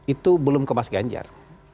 itu belum ke mas ganjar